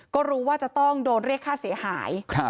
ก็รู้ว่าจะต้องโดนเรียกค่าเสียหาย